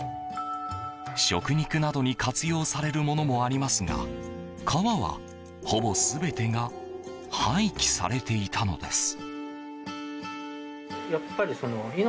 食肉などに活用されるものもありますが皮は、ほぼ全てが廃棄されていたのです。